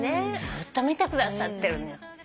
ずーっと見てくださってる。